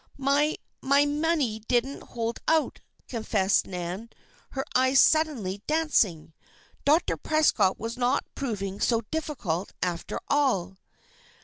"My my money didn't hold out," confessed Nan, her eyes suddenly dancing. Dr. Prescott was not proving so difficult, after all.